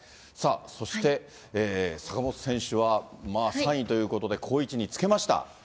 さあ、そして坂本選手は３位ということで、好位置につけました。